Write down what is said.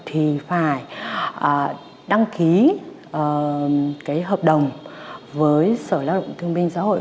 thì phải đăng ký cái hợp đồng với sở lao động thương minh xã hội